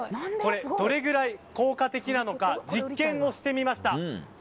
どれぐらい効果的なのか実験をしてみました。